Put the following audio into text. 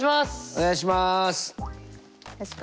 お願いします。